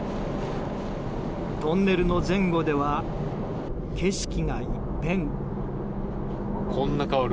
トンネルの前後では景色が一変。